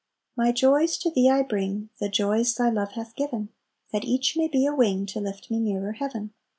"My joys to Thee I bring, The joys Thy love hath given, That each may be a wing To lift me nearer heaven.